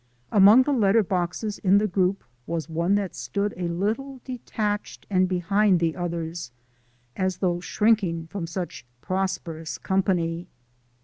Among the letter boxes in the group was one that stood a little detached and behind the others, as though shrinking from such prosperous company.